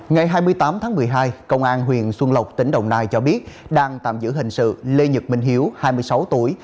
ngày hai mươi tám tháng một mươi hai công an huyện xuân lộc tỉnh đồng nai cho biết đang tạm giữ hình sự lê nhật minh hiếu hai mươi sáu tuổi